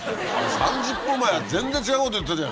３０分前は全然違うこと言ってたじゃん。